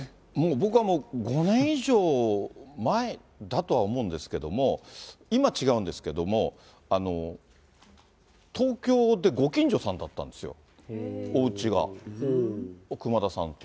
僕はもう、５年以上前だとは思うんですけども、今違うんですけども、東京でご近所さんだったんですよ、おうちが、熊田さんと。